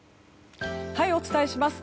はい、お伝えします。